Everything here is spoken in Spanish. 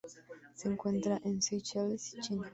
Se encuentra en Seychelles y China.